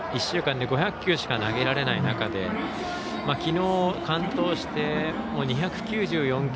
１週間で５００球しか投げられない中できのう完投して２９４球。